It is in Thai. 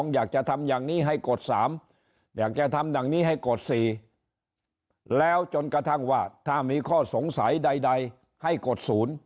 อยากจะทำอย่างนี้ให้กฎ๓อยากจะทำอย่างนี้ให้กฎ๔แล้วจนกระทั่งว่าถ้ามีข้อสงสัยใดให้กฎศูนย์